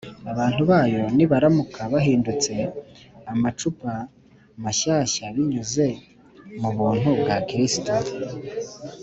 abantu bayo nibaramuka bahindutse amacupa mashyashya binyuze mu buntu bwa kristo